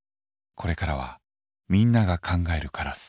これからはみんなが考えるカラス。